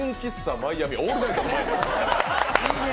マイアミ、オールナイト。